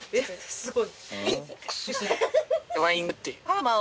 すごい。